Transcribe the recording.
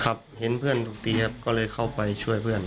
ครับเห็นเพื่อนถูกตีครับก็เลยเข้าไปช่วยเพื่อน